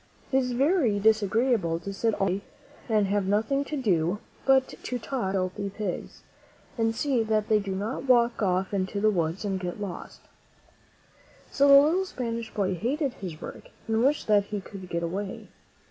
It is very disagreeable to sit all day and have nothing to do but to talk to filthy pigs, and see that they do not walk off into the woods and get lost. So the little Spanish boy hated his work and wished that he could get away.